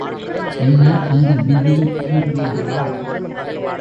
என்ன அந்த விதி என்கிறீர்களா?